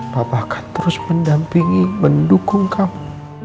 papa akan terus mendampingi mendukung kamu